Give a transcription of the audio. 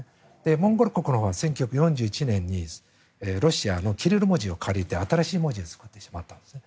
モンゴル国のほうは１９４１年にロシアのキリル文字を借りて新しい文字を作ってしまったんですね。